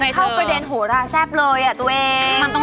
แม่บ้านประจันบัน